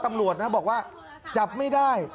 ตำรวจุดว่าจับไม่ได้